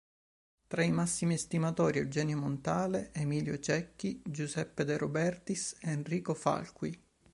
Tra i massimi estimatori, Eugenio Montale, Emilio Cecchi, Giuseppe De Robertis, Enrico Falqui.